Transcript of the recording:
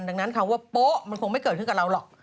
ดังนั้นคำว่าโป๊ะมันคงไม่เกิดขึ้นกับเราหรอก